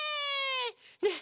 ねえ！